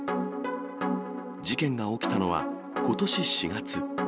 事件が起きたのは、ことし４月。